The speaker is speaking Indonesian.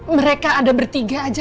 mereka ada bertiga aja